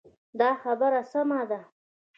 دا خبره سمه ده.